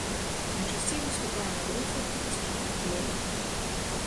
Найчасцей выступае на друзлых і пясчаных глебах.